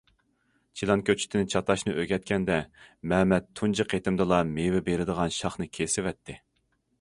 چىلان كۆچىتىنى چاتاشنى ئۆگەتكەندە، مەمەت تۇنجى قېتىمدىلا مېۋە بېرىدىغان شاخنى كېسىۋەتتى.